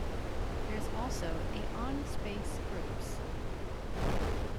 There is also a on space groups.